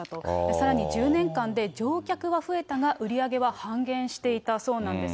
さらに、１０年間で乗客は増えたが、売り上げは半減していたそうなんです。